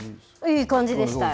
いい感じでしたよ。